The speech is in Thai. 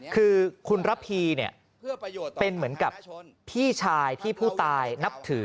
คือคุณระพีเนี่ยเป็นเหมือนกับพี่ชายที่ผู้ตายนับถือ